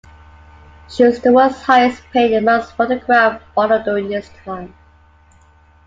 She was the world's highest paid and most photographed model during this time.